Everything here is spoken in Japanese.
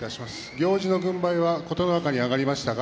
行司の軍配は琴ノ若に上がりました。